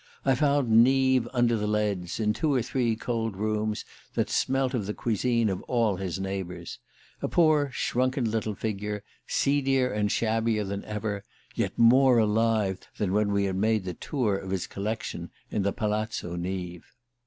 I found Neave under the leads, in two or three cold rooms that smelt of the cuisine of all his neighbours: a poor shrunken little figure, seedier and shabbier than ever, yet more alive than when we had made the tour of his collection in the Palazzo Neave.